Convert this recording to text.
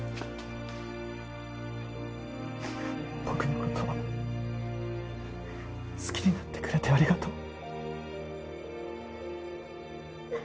僕の事を好きになってくれてありがとう。